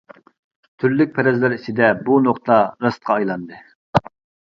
تۈرلۈك پەرەزلەر ئىچىدە بۇ نۇقتا راستقا ئايلاندى.